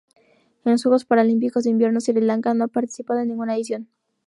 En los Juegos Paralímpicos de Invierno Sri Lanka no ha participado en ninguna edición.